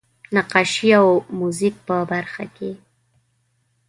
نقاشۍ او موزیک په برخه کې.